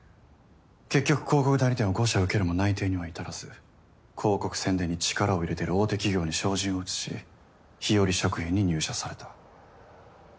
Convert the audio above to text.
結局広告代理店を５社受けるも内定には至らず広告宣伝に力を入れてる大手企業に照準を移し日和食品に入社された。